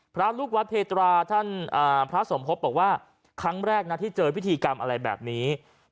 พระลูกวัดเพตราท่านพระสมภพบอกว่าครั้งแรกนะที่เจอพิธีกรรมอะไรแบบนี้